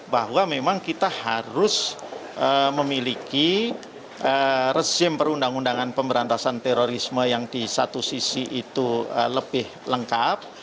bahwa memang kita harus memiliki rezim perundang undangan pemberantasan terorisme yang di satu sisi itu lebih lengkap